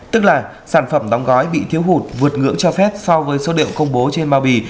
tức là sản phẩm đóng gói bị thiếu hụt vượt ngưỡng cho phép so với số điệu công bố trên bao bì